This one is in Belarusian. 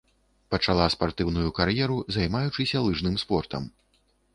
Пачала спартыўную кар'еру, займаючыся лыжным спортам.